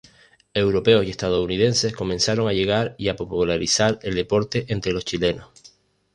Europeos y estadounidenses comenzaron a llegar y a popularizar el deporte entre los chilenos.